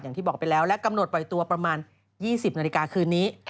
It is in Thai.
อย่างที่บอกไปแล้วและกำหนดปล่อยตัวประมาณ๒๐นาฬิกาคืนนี้